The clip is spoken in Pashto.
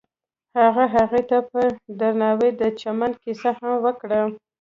هغه هغې ته په درناوي د چمن کیسه هم وکړه.